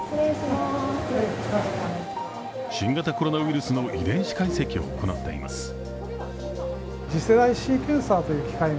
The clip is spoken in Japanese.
新型コロナウイルスの遺伝子解析を行っています。